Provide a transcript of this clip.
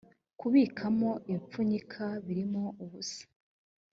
kubikamo ibipfunyika birimo ubusa